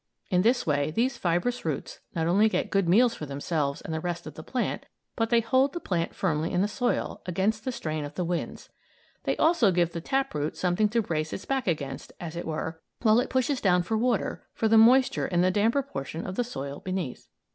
In this way these fibrous roots not only get good meals for themselves and the rest of the plant, but they hold the plant firmly in the soil, against the strain of the winds. They also give the tap root something to brace its back against, as it were, while it pushes down for water, for the moisture in the damper portion of the soil beneath.